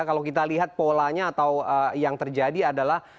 kalau kita lihat polanya atau yang terjadi adalah